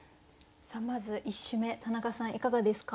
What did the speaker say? さあまず１首目田中さんいかがですか？